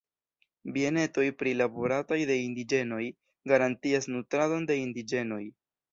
Bienetoj prilaborataj de indiĝenoj garantias nutradon de indiĝenoj.